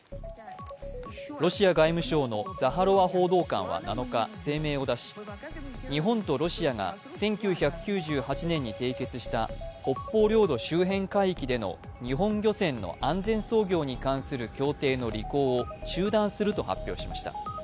ロシア外務省のザハロワ報道官は７日、声明を出し、日本とロシアが１９９８年に締結した北方領土周辺海域での日本漁船の安全操業に関する協定の履行を中断すると発表しました。